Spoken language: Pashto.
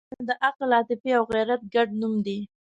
هیواد مې د عقل، عاطفې او غیرت ګډ نوم دی